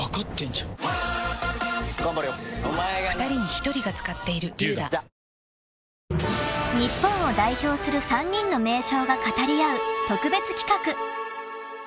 夏が香るアイスティー［日本を代表する３人の名将が語り合う特別企画］